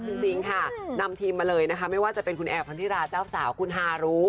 จริงค่ะนำทีมมาเลยนะคะไม่ว่าจะเป็นคุณแอร์พันธิราเจ้าสาวคุณฮารุ